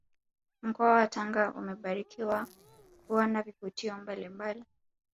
Mkoa wa Tanga umebarikiwa kuwa na vivutio mbalimbali